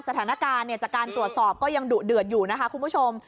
สถานการณ์จากการตรวจสอบก็ยังดุเดือดอยู่นะคะคุณผู้ชม